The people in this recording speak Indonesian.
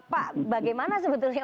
pak bagaimana sebetulnya